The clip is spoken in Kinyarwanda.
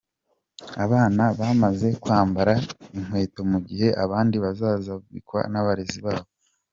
Abana bamaze kwambara inkweto mu giha abandi bazazambikwa n'abarezi babo.